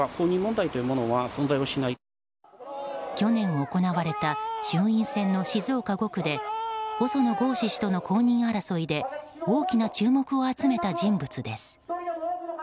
去年行われた衆院選の静岡５区で細野豪志氏との公認争いで大きな注目を集めた人物です。